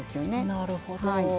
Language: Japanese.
なるほど。